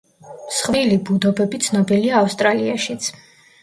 მსხვილი ბუდობები ცნობილია ავსტრალიაშიც.